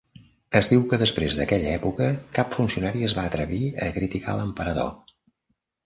Es diu que després d'aquella època, cap funcionari es va atrevir a criticar l'emperador.